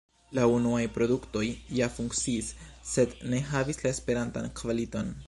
La unuaj produktoj ja funkciis, sed ne havis la esperatan kvaliton.